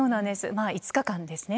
まあ５日間ですね。